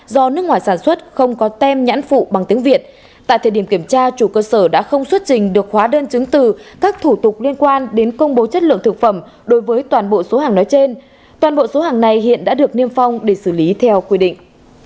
do nước ngoài sản xuất không có tem nhãn phụ bằng tiếng việt tại thời điểm kiểm tra chủ cơ sở đã không xuất trình được hóa đơn chứng từ các thủ tục liên quan đến công bố chất lượng thực phẩm đối với toàn bộ số hàng nói trên toàn bộ số hàng này hiện đã được niêm phong để xử lý theo quy định